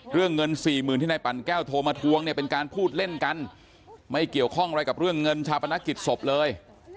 เรื่องเงินสี่หมื่นที่นายปั่นแก้วโทรมาทวงเนี่ยเป็นการพูดเล่นกันไม่เกี่ยวข้องอะไรกับเรื่องเงินชาปนกิจศพเลย